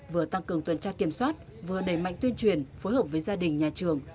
vừa tăng cường tuần tra kiểm soát vừa đẩy mạnh tuyên truyền phối hợp với gia đình nhà trường